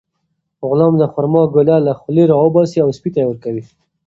غلام د خورما ګوله له خولې راوباسي او سپي ته یې ورکوي.